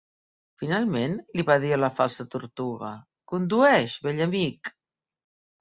Finalment, li va dir a la Falsa Tortuga, "Condueix, vell amic!"